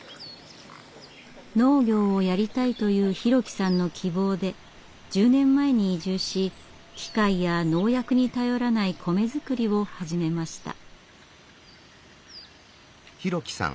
農業をやりたいという大樹さんの希望で１０年前に移住し機械や農薬に頼らない米作りを始めました。